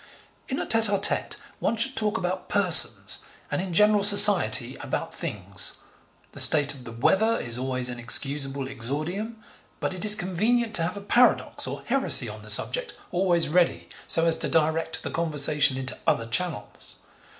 In a tete a tete one should talk about persons, and in general Society about things. The state of the weather is always an excusable exordium, but it is convenient to have a paradox or heresy on the subject always ready so as to direct the conversation into other channels.